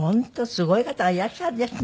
すごい方がいらっしゃるんですね。